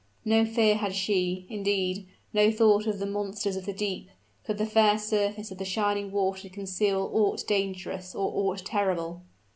No fear had she, indeed, no thought of the monsters of the deep: could the fair surface of the shining water conceal aught dangerous or aught terrible?